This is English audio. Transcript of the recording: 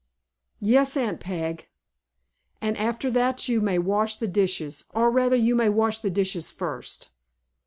"Yes, Aunt Peg." "And after that you may wash the dishes. Or, rather, you may wash the dishes first."